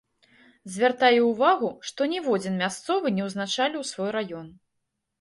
Звяртае ўвагу, што ніводзін мясцовы не ўзначаліў свой раён.